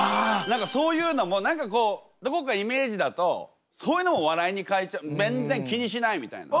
何かそういうのも何かどこかイメージだとそういうのも笑いに変えちゃう全然気にしないみたいな。